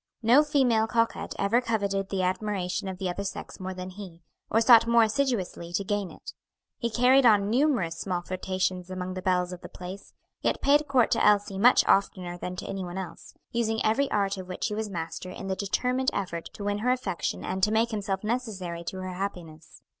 No female coquette ever coveted the admiration of the other sex more than he, or sought more assiduously to gain it. He carried on numerous small flirtations among the belles of the place, yet paid court to Elsie much oftener than to any one else, using every art of which he was master in the determined effort to win her affection and to make himself necessary to her happiness.